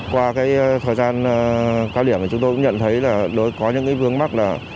qua thời gian cao điểm chúng tôi cũng nhận thấy có những vướng mắt là